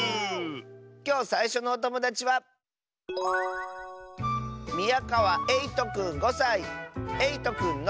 きょうさいしょのおともだちはえいとくんの。